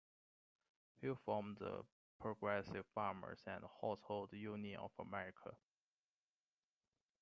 Hill formed the Progressive Farmers and Household Union of America.